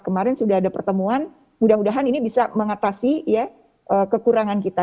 kemarin sudah ada pertemuan mudah mudahan ini bisa mengatasi kekurangan kita